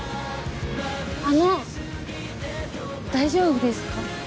あの大丈夫ですか？